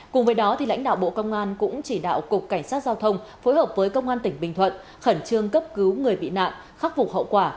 cùng với đó lãnh đạo bộ công an cũng chỉ đạo cục cảnh sát giao thông phối hợp với công an tỉnh bình thuận khẩn trương cấp cứu người bị nạn khắc phục hậu quả